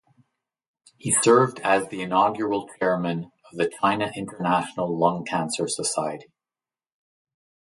He served as the inaugural chairman of the China International Lung Cancer Society.